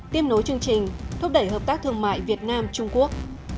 tiếp nối chương trình thúc đẩy hợp tác thương mại việt nam trung quốc